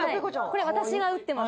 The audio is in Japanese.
これ私が打ってます。